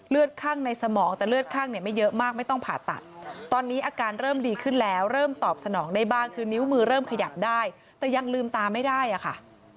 ข้างในสมองแต่เลือดข้างเนี่ยไม่เยอะมากไม่ต้องผ่าตัดตอนนี้อาการเริ่มดีขึ้นแล้วเริ่มตอบสนองได้บ้างคือนิ้วมือเริ่มขยับได้แต่ยังลืมตาไม่ได้อะค่ะ